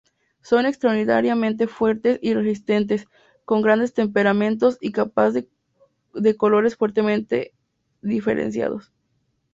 Son extraordinariamente fuertes y resistentes, con gran temperamento y capas de colores fuertemente diferenciados.